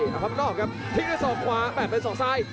เอาไปออกครับทิ้งเป็นสองขวาแบบเป็นสองซ้าย